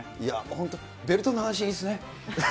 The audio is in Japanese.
本当、ベルトの話、いいですね。